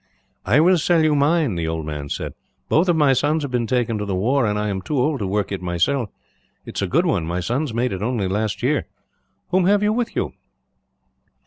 "I will sell you mine," the old man said. "Both of my sons have been taken to the war, and I am too old to work it myself. It is a good one; my sons made it only last year. "Whom have you with you?"